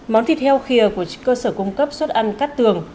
món thịt heo khìa của cơ sở cung cấp xuất ăn cát tường